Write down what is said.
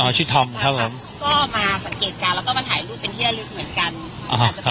เพียบชิดอะไรขันถูกนึงก็มาสังเกตการณ์แล้วก็มาถ่ายรูปเป็นเพื่อนเหลือเหมือนกัน